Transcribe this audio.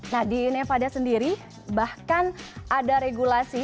nah di nevada sendiri bahkan ada regulasi